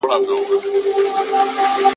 کمپيوټر بازار پيدا کوي.